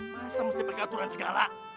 masa mesti pergaturan segala